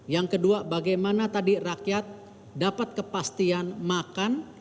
yang kedua bagaimana tadi rakyat dapat kepastian makan